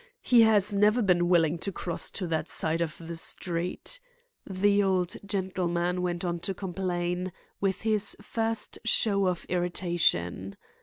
He has never been willing to cross to that side of the street," the old gentleman went on to complain, with his first show of irritation.